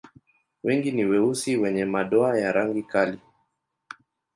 Wengi ni weusi wenye madoa ya rangi kali.